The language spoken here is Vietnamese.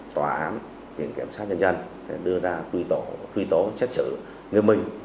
tòa án huyện kiểm soát nhân dân để đưa ra truy tố xét xử người mình